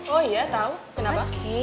oh iya tau kenapa